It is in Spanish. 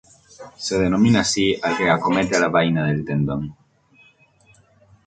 Se denomina así al que acomete a la vaina del tendón.